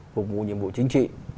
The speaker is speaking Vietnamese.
phục vụ nhiệm vụ chính trị